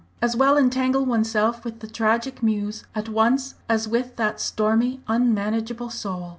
As well entangle oneself with the Tragic Muse at once as with that stormy, unmanageable soul!